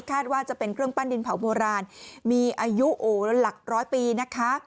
ว่าจะเป็นเครื่องปั้นดินเผาโบราณมีอายุหลักร้อยปีนะคะ